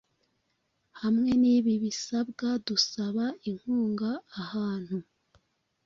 hamwe nibi bisabwa dusaba inkunga ahantu